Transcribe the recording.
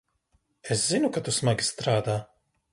Es zinu, ka tu smagi strādā.